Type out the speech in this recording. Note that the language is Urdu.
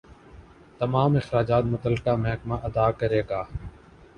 تمام اخراجات متعلقہ محکمہ ادا کرے گا۔